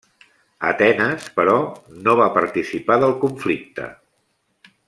Atenes, però, no va participar del conflicte.